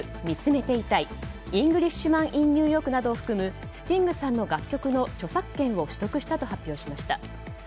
「見つめていたい」「イングリッシュマン・イン・ニューヨーク」などを含むスティングさんの楽曲の著作権を取得したと発表しました。